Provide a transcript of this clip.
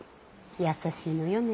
優しいのよね。